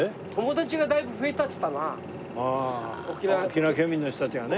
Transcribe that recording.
沖縄県民の人たちがね。